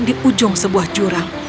di ujung sebuah jurang